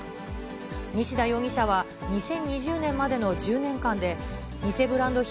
西田容疑者は、２０２０年までの１０年間で、偽ブランド品